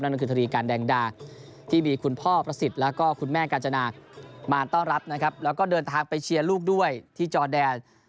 นั่นก็คือทรีการแดงดาที่มีคุณพ่อประสิทธิ์แล้วก็คุณแม่กาญจนามาต้อนรับนะครับแล้วก็เดินทางไปเชียร์ลูกด้วยที่จอแดน